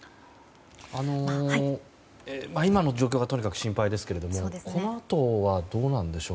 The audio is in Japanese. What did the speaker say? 今の状況がとにかく心配ですけどもこのあとはどうなんでしょう。